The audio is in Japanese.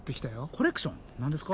コレクション何ですか？